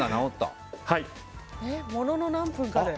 ものの何分で。